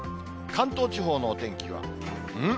関東地方のお天気は、ん？